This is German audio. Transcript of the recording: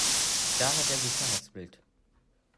Da hat er sich verhaspelt.